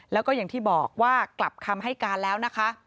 แล้วก็อย่างที่บอกว่ากลับคำให้การแล้วนะคะ